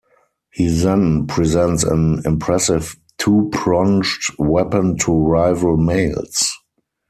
He then presents an impressive two-pronged weapon to rival males.